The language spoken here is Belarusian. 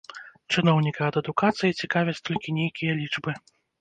Чыноўніка ад адукацыі цікавяць толькі нейкія лічбы.